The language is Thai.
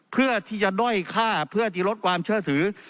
เพื่อที่จะด้อยค่าเพื่อที่ลดความเชื่อถือ